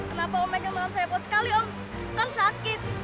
kenapa om menyebalkan saya sekali om kan sakit